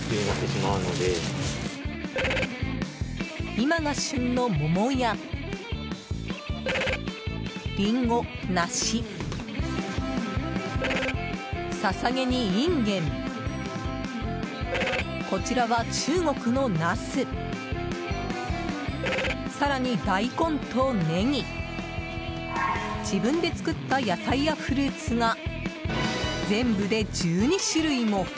今が旬の桃やリンゴ、梨ササゲにインゲンこちらは中国のナス更に、大根とネギ自分で作った野菜やフルーツが全部で１２種類も。